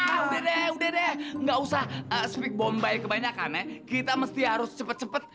ah udah deh udah deh gak usah speak bombay kebanyakan ya kita mesti harus cepet cepet